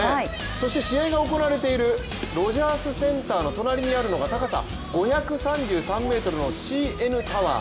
そして試合が行われているロジャーズ・センターの隣にあるのが高さ５３３ｍのＣＮタワー